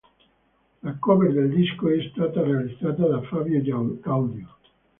La cover del disco è stata realizzata da Fabio Gaudio.